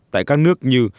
tại các nước như